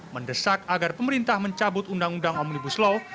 mendesak agar pemerintah mencabut undang undang omnibus law